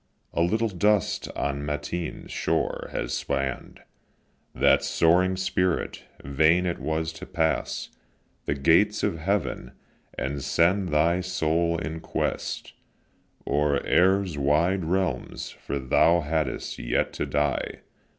A little dust on Matine shore has spann'd That soaring spirit; vain it was to pass The gates of heaven, and send thy soul in quest O'er air's wide realms; for thou hadst yet to die.